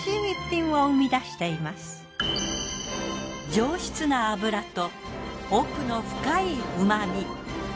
上質な脂と奥の深い旨み。